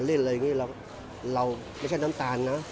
เราไม่ใช่น้ำตาลนะ